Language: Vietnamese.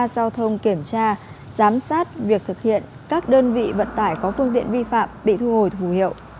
giao thông kiểm tra giám sát việc thực hiện các đơn vị vận tải có phương tiện vi phạm bị thu hồi phù hiệu